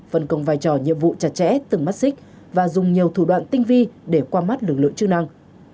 phân công vai trò nhiệm vụ chặt chẽ từng mắt xích và dùng nhiều thủ đoạn tinh vi để qua mắt lực lượng chức năng